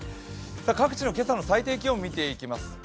各地の今朝の最低気温を見ていきます。